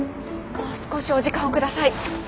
もう少しお時間を下さい。